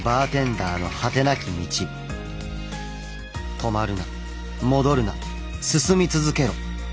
止まるな戻るな進み続けろ。